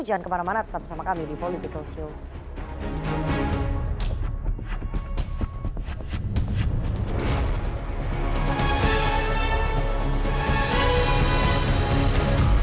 jangan kemana mana tetap bersama kami di political show